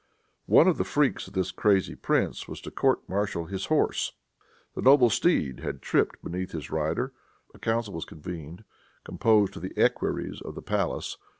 One of the freaks of this crazy prince was to court martial his horse. The noble steed had tripped beneath his rider. A council was convened, composed of the equerries of the palace.